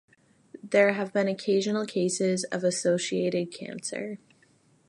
There have been occasional cases of associated cancer.